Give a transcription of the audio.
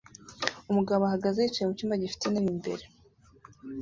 Umugabo ahagaze yicaye mucyumba gifite intebe imbere